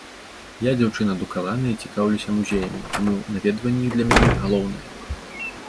Я дзяўчына адукаваная і цікаўлюся музеямі, таму наведванне іх для мяне галоўнае.